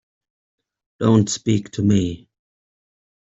Don't speak to me.